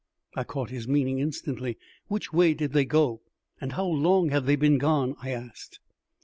I caught his meaning instantly. "Which way did they go, and how long have they been gone?" I asked.